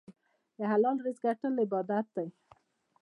د حلال رزق ګټل عبادت دی.